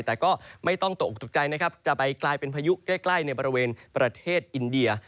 แต่ก็ไม่ต้องตกออกตกใจนะครับจะไปกลายเป็นพายุใกล้ในบริเวณประเทศอินเดีย